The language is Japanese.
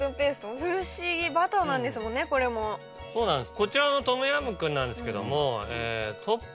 こちらのトムヤムクンなんですけども。